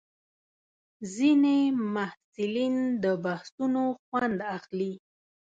ځینې محصلین د بحثونو خوند اخلي.